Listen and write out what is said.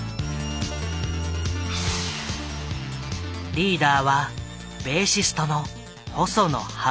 リーダーはベーシストの細野晴臣。